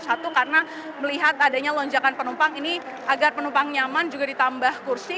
satu karena melihat adanya lonjakan penumpang ini agar penumpang nyaman juga ditambah kursi